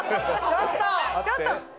ちょっと。